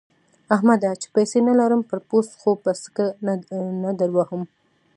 احمده! چې پيسې نه لرم؛ پر پوست خو به سکه نه دروهم.